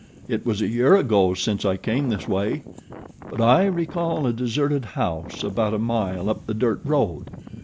It was a year ago since I came this way; but I recall a deserted house about a mile up the dirt road.